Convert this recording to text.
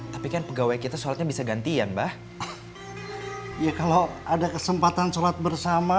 tapi kan pegawai kita sholatnya bisa gantian mba